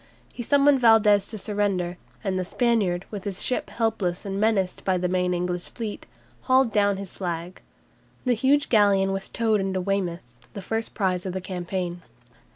He summoned Valdes to surrender, and the Spaniard, with his ship helpless and menaced by the main English fleet, hauled down his flag. The huge galleon was towed into Weymouth, the first prize of the campaign.